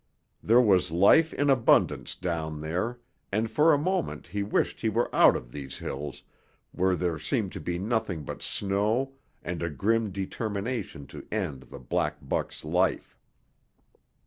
There was life in abundance down there and for a moment he wished he were out of these hills where there seemed to be nothing but snow and a grim determination to end the black buck's life.